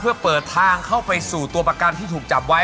เพื่อเปิดทางเข้าไปสู่ตัวประกันที่ถูกจับไว้